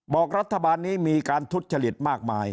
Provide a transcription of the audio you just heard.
บอกรัฐบาลนี้มีการทุจจริตมากมาย